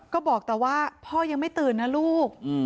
ก็บอกแต่ว่าพ่อยังไม่ตื่นนะลูก